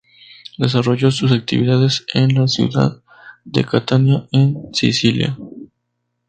Desarrolló sus actividades en la ciudad de Catania, en Sicilia.